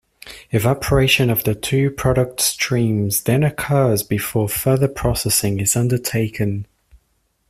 Evaporation of the two product streams then occurs before further processing is undertaken.